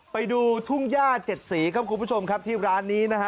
ไปดูทุ่งย่าเจ็ดสีครับคุณผู้ชมครับที่ร้านนี้นะฮะ